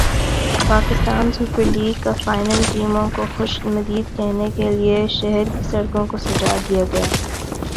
Pakistan super league کا فائنل ٹیموں کو خوش مدید کہنے کے لئے شہر کی سڑکوں کوسجا دیا گیا